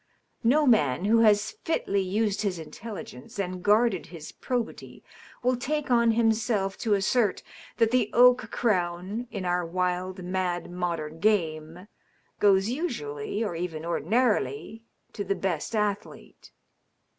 No man who has fitly used his intelligence and guarded his probity will take on himself to assert that the oak crown, in our wild, mad modern game, goes usually or even ordinarily to the best athlete.